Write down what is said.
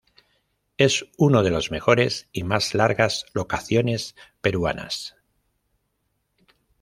Es uno de los mejores y más largas locaciones peruanas.